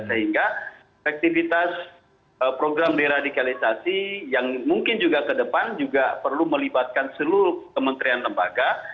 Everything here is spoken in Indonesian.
sehingga aktivitas program deradikalisasi yang mungkin juga kedepan juga perlu melibatkan seluruh kementerian lembaga